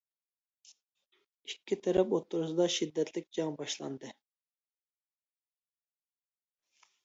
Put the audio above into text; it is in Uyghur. ئىككى تەرەپ ئوتتۇرىسىدا شىددەتلىك جەڭ باشلاندى.